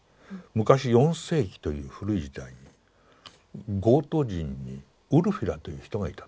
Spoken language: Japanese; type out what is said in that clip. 昔４世紀という古い時代にゴート人にウルフィラという人がいた。